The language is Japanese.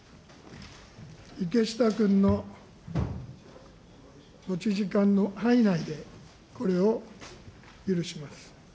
池下君の持ち時間の範囲内で、これを許します。